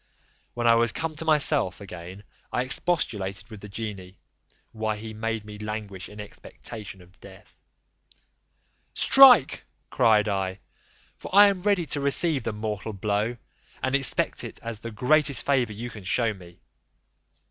When I was come to myself again, I expostulated with the genie, why he made me languish in expectation of death: "Strike," cried I, "for I am ready to receive the mortal blow, and expect it as the greatest favour you can show me."